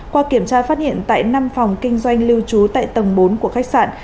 qua kiểm tra phát hiện tại năm phòng kinh doanh lưu trú tại tầng bốn của khách sạn